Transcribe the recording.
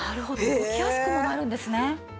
動きやすくもなるんですね。